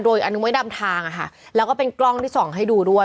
ดูอีกอันนึงไว้ดำทางค่ะแล้วก็เป็นกล้องที่สองให้ดูด้วย